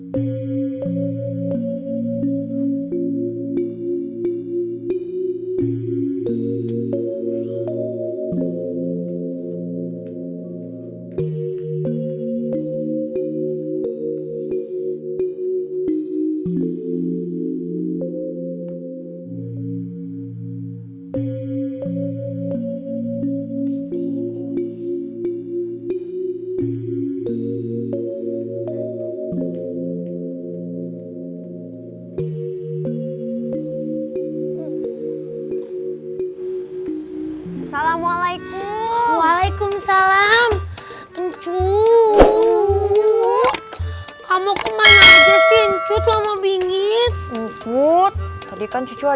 tin antinda makan alhamdulillah udah kang oh